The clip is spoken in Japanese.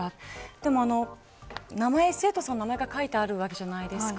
でも、生徒さんの名前が書いてあるわけじゃないですか。